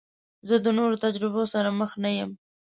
زه د نوو تجربو سره مخ نه یم.